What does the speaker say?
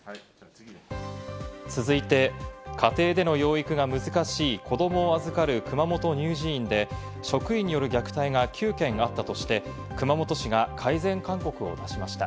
続いて、家庭での養育が難しい子供を預かる熊本乳児院で職員による虐待が９件あったとして、熊本市が改善勧告を出しました。